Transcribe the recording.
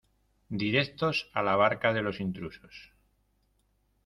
directos a la barca de los intrusos.